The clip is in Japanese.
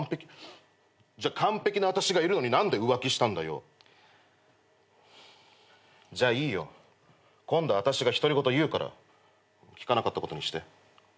じゃ完璧な私がいるのに何で浮気したんだよ？じゃいいよ。今度私が独り言言うから聞かなかったことにして。